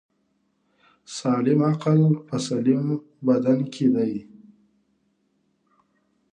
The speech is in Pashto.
سالم عقل په سلیم بدن کی دی